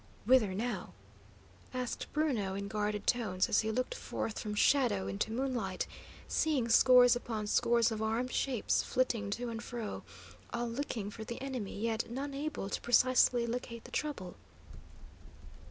"Whither now?" asked Bruno, in guarded tones, as he looked forth from shadow into moonlight, seeing scores upon scores of armed shapes flitting to and fro, all looking for the enemy, yet none able to precisely locate the trouble.